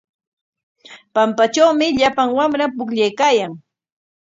Pampatrawmi llapan wamra pukllaykaayan.